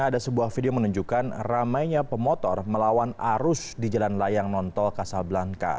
ada sebuah video menunjukkan ramainya pemotor melawan arus di jalan layang nontol kasablanca